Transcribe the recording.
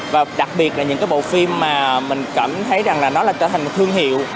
và đặc biệt là những cái bộ phim mà mình cảm thấy rằng là nó là trở thành một thương hiệu